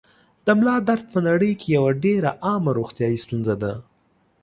د ملا درد په نړۍ کې یوه ډېره عامه روغتیايي ستونزه ده.